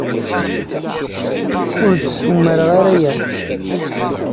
Ur d-ssumreɣ ara aya.